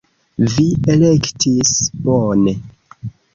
Vi elektis bone!